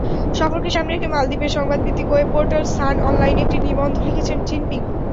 সফরকে সামনে রেখে মালদ্বীপের সংবাদভিত্তিক ওয়েবপোর্টাল সান অনলাইনে একটি নিবন্ধ লিখেছেন জিনপিং।